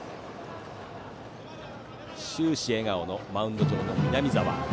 終始笑顔のマウンド上の南澤。